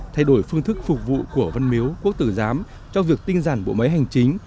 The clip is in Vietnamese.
thay đổi phương thức phục vụ của văn miếu quốc tử giám trong việc tinh giản bộ máy hành chính